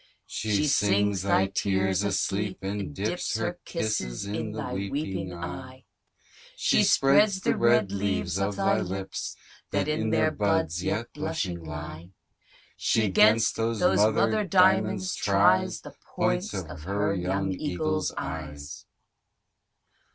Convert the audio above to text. She sings thy tears asleep, and dips Her kisses in thy weeping eye, She spreads the red leaves of thy lips, That in their buds yet blushing lie. She 'gainst those mother diamonds tries The points of her young eagle's eyes.